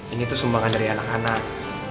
ini tuh sumbangan dari anak anak